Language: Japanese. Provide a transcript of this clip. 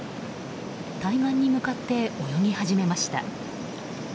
対岸に向かって泳ぎ始めました。